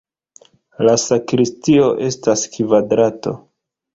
La sakristio estas kvadrato.